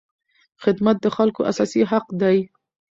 خدمت د خلکو اساسي حق دی.